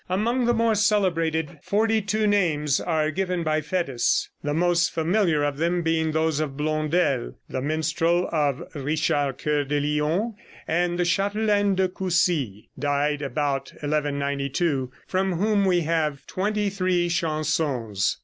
Among the more celebrated, forty two names are given by Fétis, the most familiar among them being those of Blondel, the minstrel of Richard Coeur de Lion, and the Châtelaine de Coucy (died about 1192), from whom we have twenty three chansons.